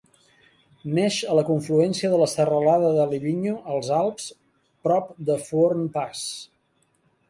Neix a la confluència de la serralada de Livigno als Alps, prop de Fuorn Pass.